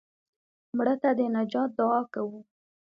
مړه ته د نجات دعا کوو